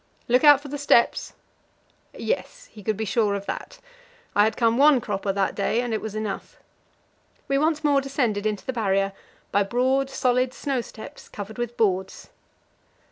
"Look out for the steps!" Yes, he could be sure of that; I had come one cropper that day, and it was enough. We once more descended into the Barrier by broad, solid snow steps covered with boards.